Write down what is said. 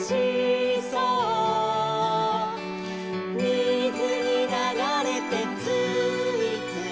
「みずにながれてつーいつい」